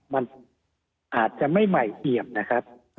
มันอาจจะไม่ใหม่เอี่ยมนะครับ